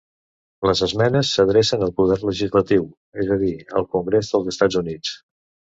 Les esmenes s'adrecen al poder legislatiu, és a dir, al Congrés dels Estats Units.